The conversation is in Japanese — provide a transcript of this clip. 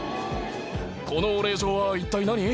このお礼状は一体、何？